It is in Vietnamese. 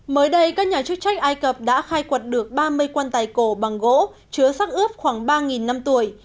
mới đây các nhà chức trách ai cập đã khai quật được ba mươi quan tài cổ bằng gỗ chứa sắc ướp khoảng ba năm tuổi